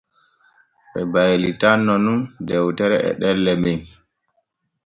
Ɓe baylitanno nun dewtere e ɗelle men.